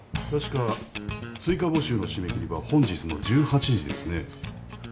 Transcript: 確か追加募集の締め切りは本日の１８時ですね。